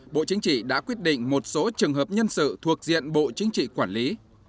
bộ chính trị đã quyết định một số trường hợp nhân sự thuộc diện bộ chính trị quản lý